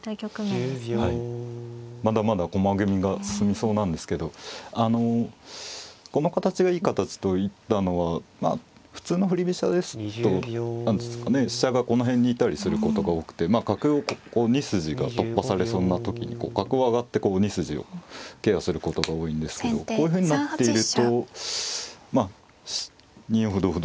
まだまだ駒組みが進みそうなんですけどあのこの形がいい形と言ったのは普通の振り飛車ですと飛車がこの辺にいたりすることが多くて角をこう２筋が突破されそうな時に角を上がって２筋をケアすることが多いんですけどこういうふうになっているとまあ２四歩同歩